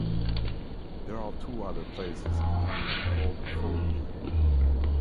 There are two other places in England called Fawley.